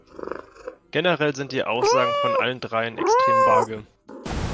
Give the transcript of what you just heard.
Generell sind die Aussagen von allen dreien extrem vage.